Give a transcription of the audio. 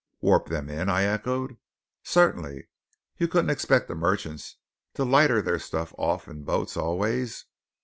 "Warp them in?" I echoed. "Certainly. You couldn't expect the merchants to lighter their stuff off in boats always.